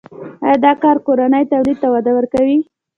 آیا دا کار کورني تولید ته وده ورکوي؟